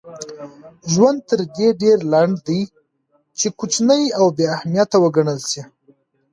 ژوند تر دې ډېر لنډ دئ، چي کوچني او بې اهمیت وګڼل سئ.